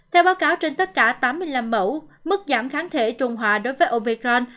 theo báo cáo trên tất cả tám mươi năm mẫu mức giảm kháng thể trùng hòa đối với omicron